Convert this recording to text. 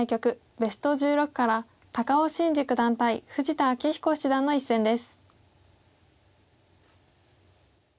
ベスト１６から高尾紳路九段対富士田明彦七段の一戦です。